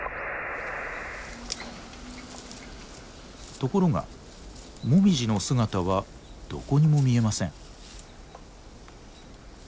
ところがもみじの姿はどこにも見えません。